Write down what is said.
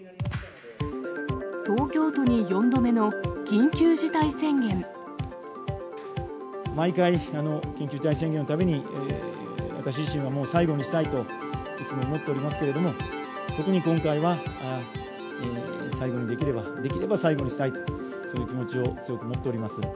東京都に４度目の緊急事態宣毎回、緊急事態宣言のたびに、私自身はもう最後にしたいと、いつも思っておりますけれども、特に今回は最後にできれば、できれば最後にしたい、そういう気持ちを強く持っております。